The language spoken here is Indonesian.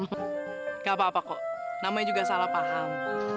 tidak apa apa kok namanya juga salah paham